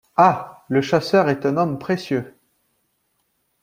Ah! le chasseur est un homme précieux !